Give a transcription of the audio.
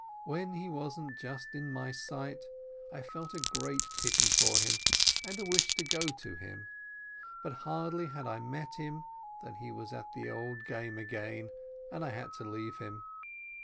When he wasn't just in my sight, I felt a great pity for him, and a wish to go to him; but hardly had I met him than he was at the old game again, and I had to leave him.